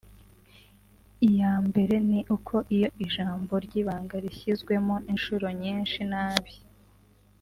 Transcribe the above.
Iya mbere ni uko iyo ijambo ry’ibanga rishyizwemo inshuro nyinshi nabi